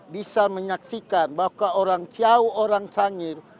bisa menyaksikan bahwa orang jauh orang sangir